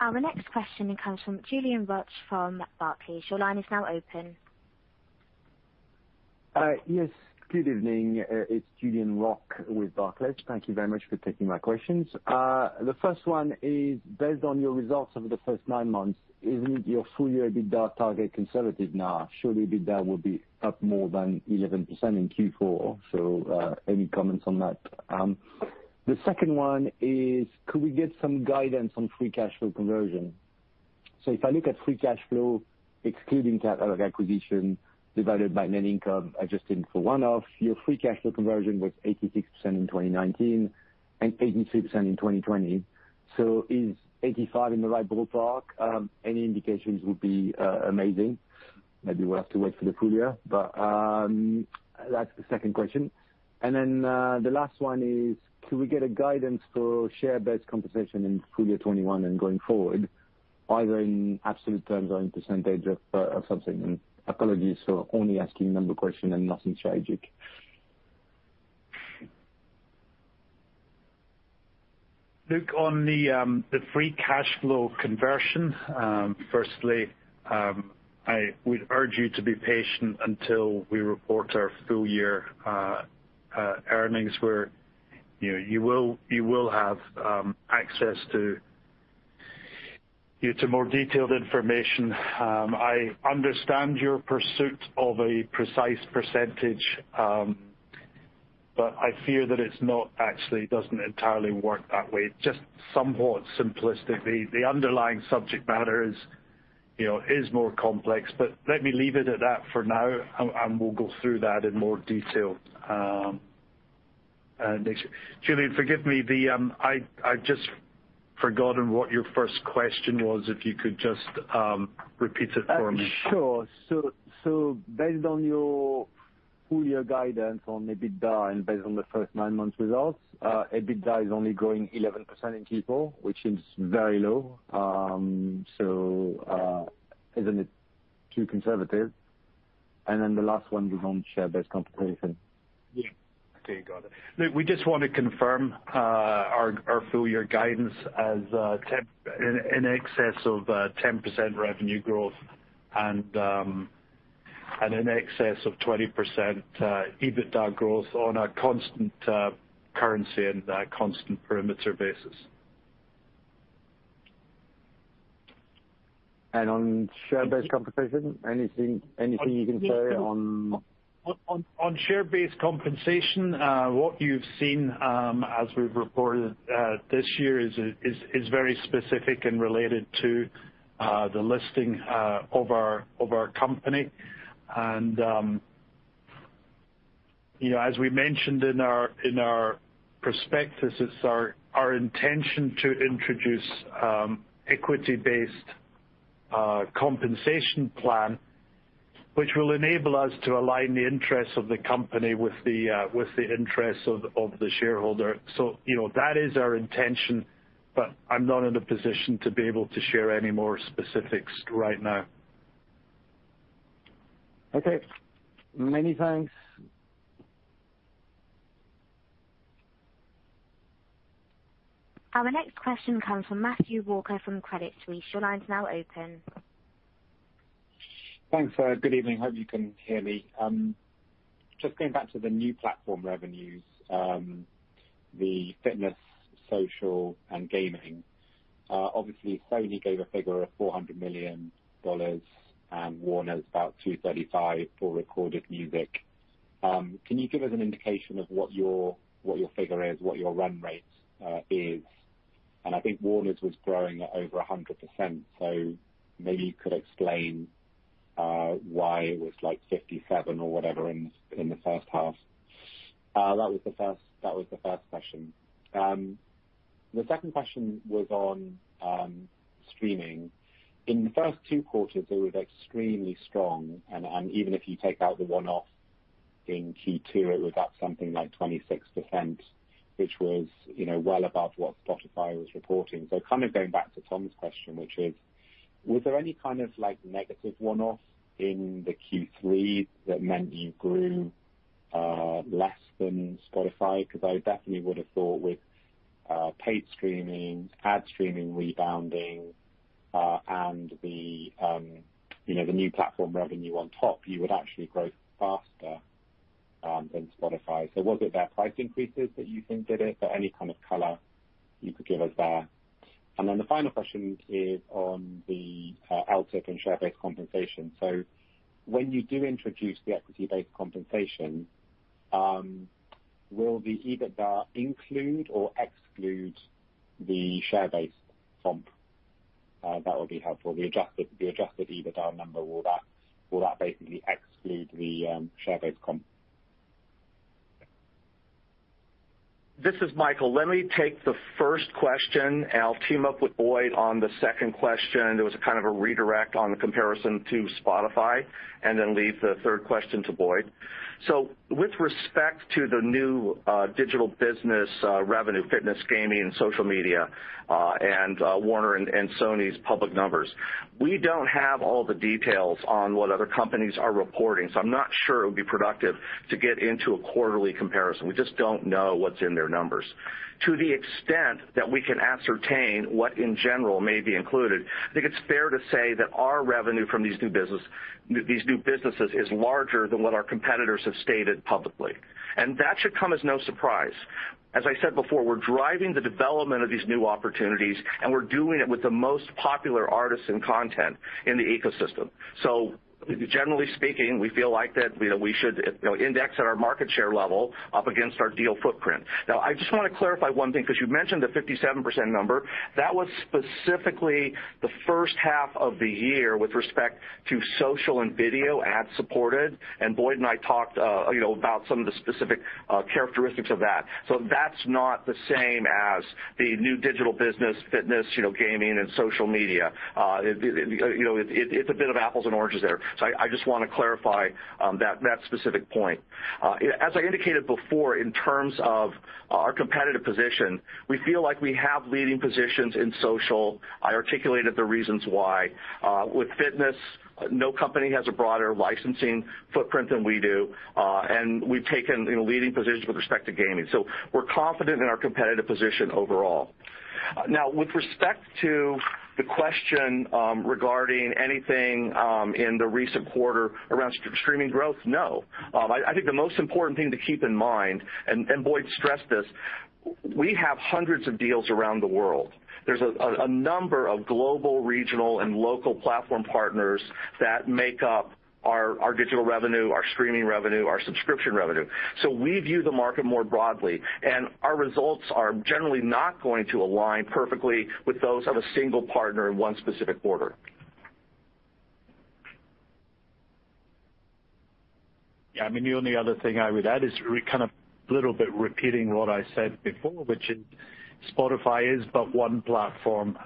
Our next question comes from Julien Roch from Barclays. Your line is now open. Yes, good evening. It's Julien Roch with Barclays. Thank you very much for taking my questions. The first one is, based on your results over the first nine months, isn't your full year EBITDA target conservative now? Surely, EBITDA will be up more than 11% in Q4. Any comments on that? The second one is, could we get some guidance on free cash flow conversion? If I look at free cash flow excluding catalog acquisition divided by net income, adjusting for one-off, your free cash flow conversion was 86% in 2019 and 86% in 2020. Is 85% in the right ballpark? Any indications would be amazing. Maybe we'll have to wait for the full year, but that's the second question. The last one is, could we get guidance for share-based compensation in full year 2021 and going forward, either in absolute terms or in percentage of something? Apologies for only asking number question and nothing strategic. Look, on the free cash flow conversion, firstly, I would urge you to be patient until we report our full year earnings where, you know, you will have access to more detailed information. I understand your pursuit of a precise percentage, but I fear that it doesn't entirely work that way, just somewhat simplistically. The underlying subject matter is, you know, more complex. Let me leave it at that for now, and we'll go through that in more detail next year. Julien, forgive me. I'd just forgotten what your first question was. If you could just repeat it for me. Sure. Based on your full year guidance on EBITDA and based on the first nine months results, EBITDA is only growing 11% in Q4, which is very low. Isn't it too conservative? Then the last one was on share-based compensation. Yeah. Okay, got it. Look, we just want to confirm our full year guidance as in excess of 10% revenue growth and in excess of 20% EBITDA growth on a constant currency and a constant perimeter basis. On share-based compensation, anything you can say on- On share-based compensation, what you've seen, as we've reported, this year is very specific and related to the listing of our company. You know, as we mentioned in our prospectus, it's our intention to introduce equity-based compensation plan, which will enable us to align the interests of the company with the interests of the shareholder. You know, that is our intention, but I'm not in a position to be able to share any more specifics right now. Okay. Many thanks. Our next question comes from Matthew Walker from Credit Suisse. Your line is now open. Thanks. Good evening. Hope you can hear me. Just going back to the new platform revenues, the fitness, social, and gaming. Obviously, Sony gave a figure of $400 million and Warner's about $235 for recorded music. Can you give us an indication of what your figure is, what your run rate is? I think Warner's was growing at over 100%. So maybe you could explain why it was like 57 or whatever in the first half. That was the first question. The second question was on streaming. In the first two quarters, they were extremely strong. And even if you take out the one-off in Q2, it was up something like 26%, which was, you know, well above what Spotify was reporting. Kind of going back to Tom's question, which is, was there any kind of like negative one-off in the Q3 that meant you grew less than Spotify? Because I definitely would have thought with paid streaming, ad streaming rebounding, and the you know the new platform revenue on top, you would actually grow faster than Spotify. Was it their price increases that you think did it? Any kind of color you could give us there. Then the final question is on the outlook and share-based compensation. When you do introduce the equity-based compensation, will the EBITDA include or exclude the share-based comp? That would be helpful. The adjusted EBITDA number, will that basically exclude the share-based comp? This is Michael. Let me take the first question, and I'll team up with Boyd on the second question. It was a kind of a redirect on the comparison to Spotify, and then leave the third question to Boyd. With respect to the new, digital business, revenue, fitness, gaming, social media, and Warner and Sony's public numbers, we don't have all the details on what other companies are reporting. I'm not sure it would be productive to get into a quarterly comparison. We just don't know what's in their numbers. To the extent that we can ascertain what, in general, may be included, I think it's fair to say that our revenue from these new business, these new businesses is larger than what our competitors have stated publicly. That should come as no surprise. As I said before, we're driving the development of these new opportunities, and we're doing it with the most popular artists and content in the ecosystem. Generally speaking, we feel like that, you know, we should, you know, index at our market share level up against our deal footprint. Now, I just want to clarify one thing because you mentioned the 57% number. That was specifically the first half of the year with respect to social and video, ad supported. Boyd and I talked, you know, about some of the specific characteristics of that. That's not the same as the new digital business, fitness, you know, gaming and social media. It, you know, it's a bit of apples and oranges there. I just wanna clarify that specific point. As I indicated before, in terms of our competitive position, we feel like we have leading positions in social. I articulated the reasons why. With fitness, no company has a broader licensing footprint than we do, and we've taken a leading position with respect to gaming. We're confident in our competitive position overall. Now, with respect to the question, regarding anything in the recent quarter around streaming growth, no. I think the most important thing to keep in mind, and Boyd stressed this, we have hundreds of deals around the world. There's a number of global, regional, and local platform partners that make up our digital revenue, our streaming revenue, our subscription revenue. We view the market more broadly, and our results are generally not going to align perfectly with those of a single partner in one specific quarter. Yeah. I mean, the only other thing I would add is kind of a little bit repeating what I said before, which is Spotify is but one platform.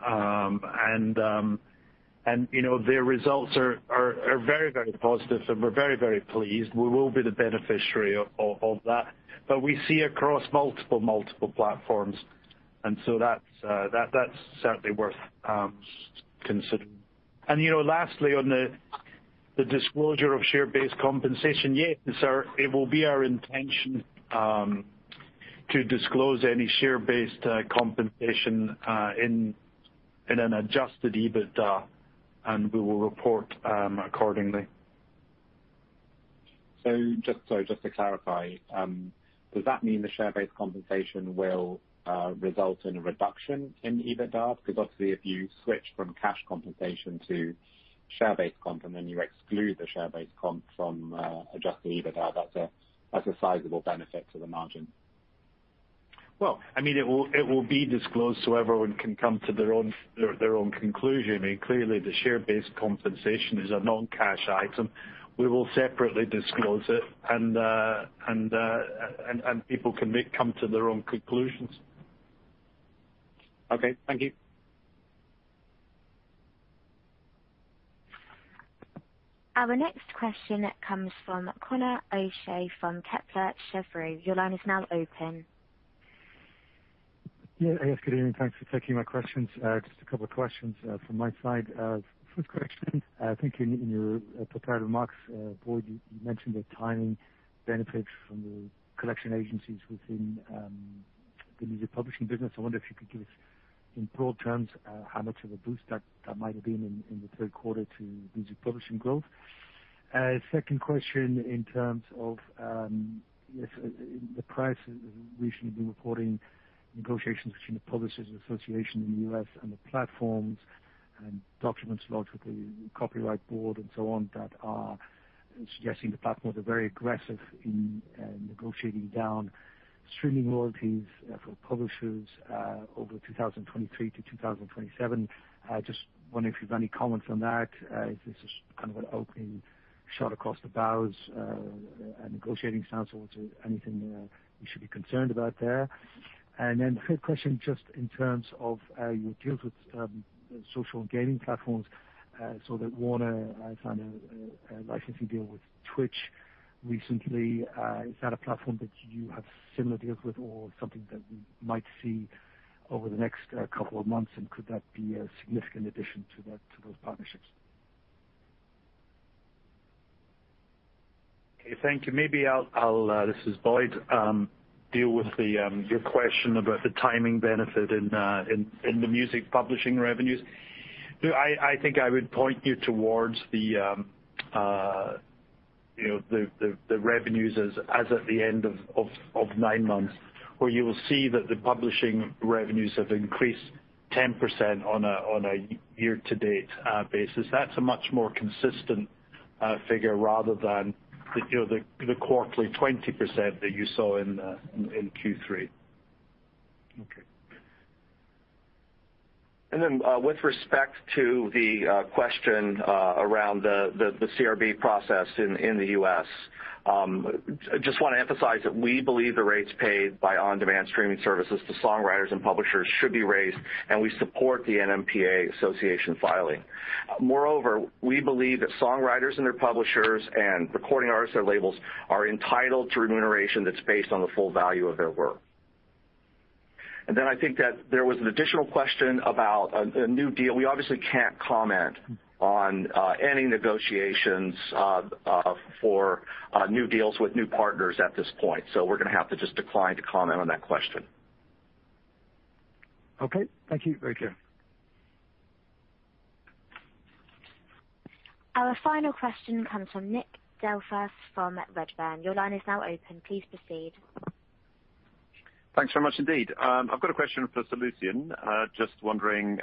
You know, their results are very positive, so we're very pleased. We will be the beneficiary of that. But we see across multiple platforms, and so that's certainly worth considering. You know, lastly, on the disclosure of share-based compensation, yes, it will be our intention to disclose any share-based compensation in an Adjusted EBITDA, and we will report accordingly. Just to clarify, does that mean the share-based compensation will result in a reduction in EBITDA? Because obviously, if you switch from cash compensation to share-based comp, and then you exclude the share-based comp from adjusted EBITDA, that's a sizable benefit to the margin. Well, I mean, it will be disclosed so everyone can come to their own conclusion. I mean, clearly, the share-based compensation is a non-cash item. We will separately disclose it, and people can come to their own conclusions. Okay. Thank you. Our next question comes from Conor O'Shea from Kepler Cheuvreux. Your line is now open. Yes, good evening. Thanks for taking my questions. Just a couple of questions from my side. First question, I think in your prepared remarks, Boyd, you mentioned the timing benefits from the collection societies within the music publishing business. I wonder if you could give us, in broad terms, how much of a boost that might have been in the Q3 to music publishing growth. Second question in terms of the press recently reporting negotiations between the National Music Publishers' Association in the U.S. and the platforms. Documents logged with the Copyright Royalty Board and so on suggest that the platforms are very aggressive in negotiating down streaming royalties for publishers over 2023-2027. Just wondering if you have any comment on that, if this is kind of an opening shot across the bows, a negotiating stance or anything, we should be concerned about there. The third question, just in terms of how you deal with social and gaming platforms, so Warner has signed a licensing deal with Twitch recently. Is that a platform that you have similar deals with or something that we might see over the next couple of months? Could that be a significant addition to that, to those partnerships? Okay, thank you. This is Boyd. I'll deal with your question about the timing benefit in the music publishing revenues. You know, I think I would point you towards the revenues as at the end of nine months, where you will see that the publishing revenues have increased 10% on a year-to-date basis. That's a much more consistent figure rather than, you know, the quarterly 20% that you saw in Q3. Okay. With respect to the question around the CRB process in the U.S. I just wanna emphasize that we believe the rates paid by on-demand streaming services to songwriters and publishers should be raised, and we support the NMPA association filing. Moreover, we believe that songwriters and their publishers and recording artists and labels are entitled to remuneration that's based on the full value of their work. I think that there was an additional question about a new deal. We obviously can't comment on any negotiations for new deals with new partners at this point. We're gonna have to just decline to comment on that question. Okay. Thank you. Thank you. Our final question comes from Nick Delfas from Redburn. Your line is now open. Please proceed. Thanks very much indeed. I've got a question for Sir Lucian. Just wondering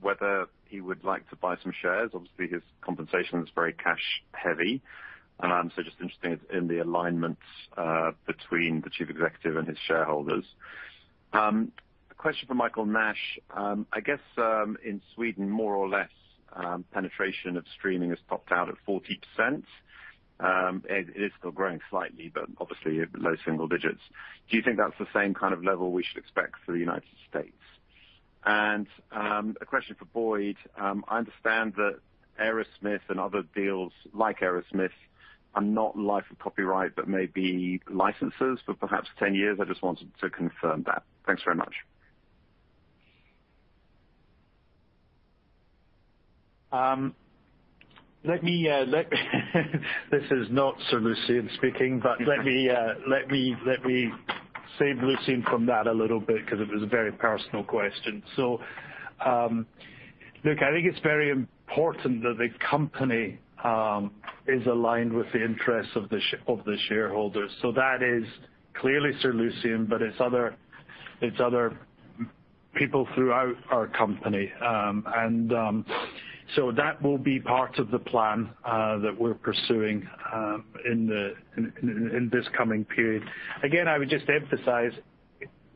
whether he would like to buy some shares. Obviously, his compensation is very cash-heavy. Just interested in the alignment between the chief executive and his shareholders. A question for Michael Nash. I guess in Sweden, more or less, penetration of streaming has topped out at 40%. It is still growing slightly, but obviously low single digits. Do you think that's the same kind of level we should expect for the United States? A question for Boyd. I understand that Aerosmith and other deals like Aerosmith are not life of copyright, but maybe licenses for perhaps 10 years. I just wanted to confirm that. Thanks very much. This is not Sir Lucian speaking, but let me save Lucian from that a little bit 'cause it was a very personal question. Look, I think it's very important that the company is aligned with the interests of the shareholders. That is clearly Sir Lucian, but it's other people throughout our company. That will be part of the plan that we're pursuing in this coming period. Again, I would just emphasize,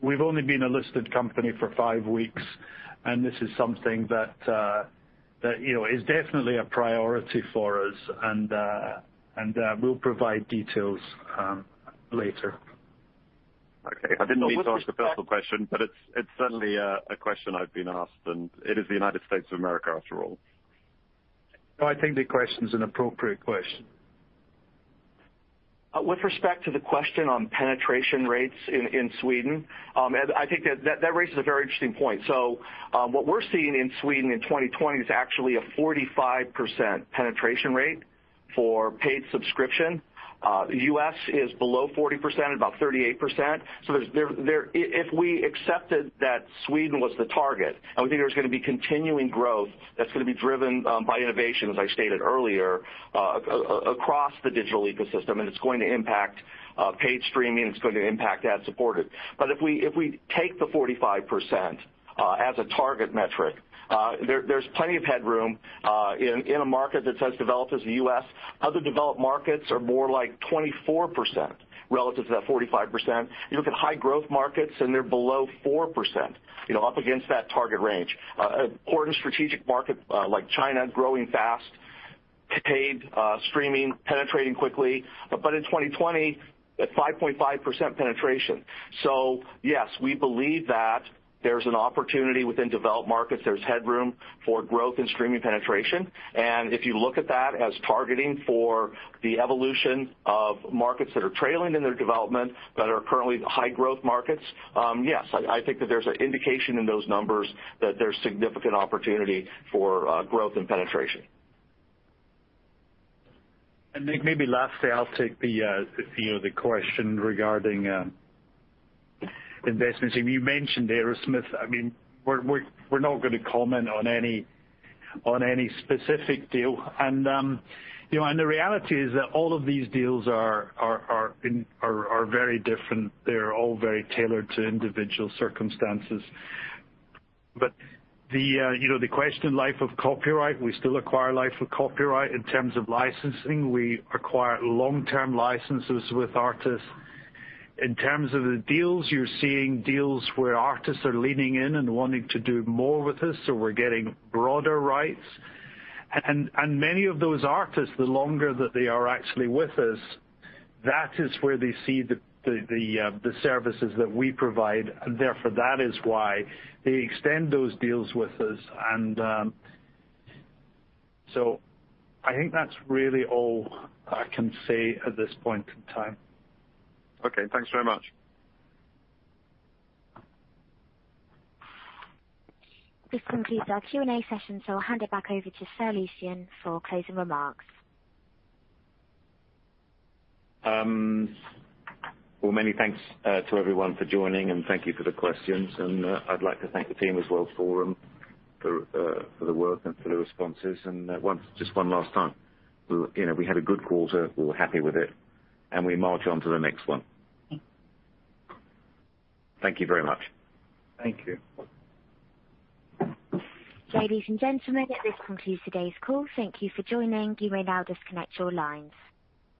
we've only been a listed company for five weeks, and this is something that you know is definitely a priority for us, and we'll provide details later. Okay. I didn't mean to ask a personal question, but it's certainly a question I've been asked, and it is the United States of America after all. No, I think the question is an appropriate question. With respect to the question on penetration rates in Sweden, Ed, I think that raises a very interesting point. What we're seeing in Sweden in 2020 is actually a 45% penetration rate for paid subscription. U.S. is below 40%, about 38%. If we accepted that Sweden was the target, and we think there's gonna be continuing growth that's gonna be driven by innovation, as I stated earlier, across the digital ecosystem, and it's going to impact paid streaming, it's going to impact ad-supported. But if we take the 45% as a target metric, there's plenty of headroom in a market that's as developed as the U.S. Other developed markets are more like 24% relative to that 45%. You look at high-growth markets, and they're below 4%, you know, up against that target range. Important strategic market like China growing fast, paid streaming penetrating quickly in 2020 at 5.5% penetration. Yes, we believe that there's an opportunity within developed markets. There's headroom for growth and streaming penetration. If you look at that as targeting for the evolution of markets that are trailing in their development, that are currently high-growth markets, yes, I think that there's an indication in those numbers that there's significant opportunity for growth and penetration. Nick, maybe lastly, I'll take the you know the question regarding investments. You mentioned Aerosmith. I mean, we're not gonna comment on any specific deal. You know and the reality is that all of these deals are very different. They're all very tailored to individual circumstances. The you know the question, life of copyright, we still acquire life of copyright in terms of licensing. We acquire long-term licenses with artists. In terms of the deals, you're seeing deals where artists are leaning in and wanting to do more with us, so we're getting broader rights. Many of those artists, the longer that they are actually with us, that is where they see the services that we provide, and therefore that is why they extend those deals with us. I think that's really all I can say at this point in time. Okay. Thanks very much. This concludes our Q&A session, so I'll hand it back over to Sir Lucian for closing remarks. Well, many thanks to everyone for joining, and thank you for the questions. I'd like to thank the team as well for the work and for the responses. Just one last time. You know, we had a good quarter. We're happy with it. We march on to the next one. Thank you very much. Thank you. Ladies and gentlemen, this concludes today's call. Thank you for joining. You may now disconnect your lines.